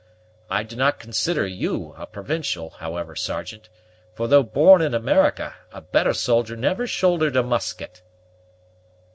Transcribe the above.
I do not consider you a provincial, however, Sergeant; for though born in America, a better soldier never shouldered a musket."